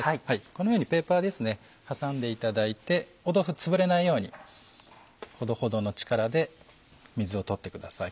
このようにペーパーで挟んでいただいて豆腐つぶれないようにほどほどの力で水を取ってください。